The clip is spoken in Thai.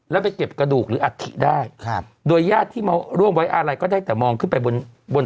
แล้วไปเก็บกระดูกหรืออัฐิได้ครับโดยญาติที่มาร่วมไว้อะไรก็ได้แต่มองขึ้นไปบนบน